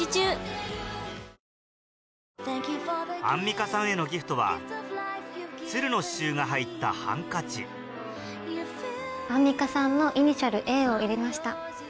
アンミカさんへのギフトは鶴の刺しゅうが入ったハンカチアンミカさんのイニシャル「Ａ」を入れました。